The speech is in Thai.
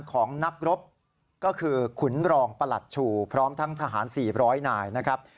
ของนักรบก็คือขุนรองประหลัดชูพร้อมทั้งทหาร๔๐๐นายนะครับ